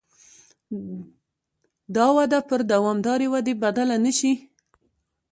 دا وده پر دوامدارې ودې بدله نه شي.